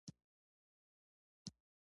د ماښام په وخت ستوري ښکاري